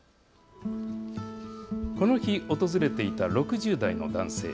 この日、訪れていた６０代の男性。